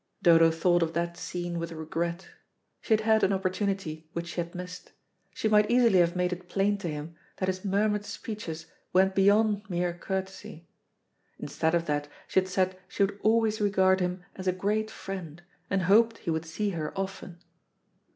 Dodo thought of that scene with regret. She had had an opportunity which she had missed; she might easily have made it plain to him that his murmured speeches went beyond mere courtesy. Instead of that she had said she would always regard him as a great friend, and hoped he would see her often.